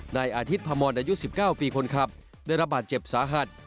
นายอาทิตย์พมรอายุ๑๙ปีคนขับได้รับบาดเจ็บสาหัส